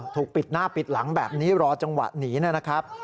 ถูกปิดหน้าปิดหลังแบบนี้รอจังหวะหนีนะครับ